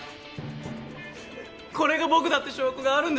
これが僕だって証拠があるんですか！